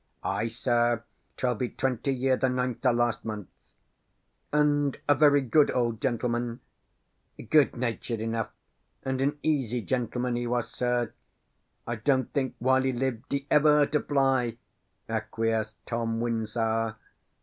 "Ay, sir; 'twill be twenty year the ninth o' last month." "And a very good old gentleman?" "Good natured enough, and an easy gentleman he was, sir; I don't think while he lived he ever hurt a fly," acquiesced Tom Wyndsour.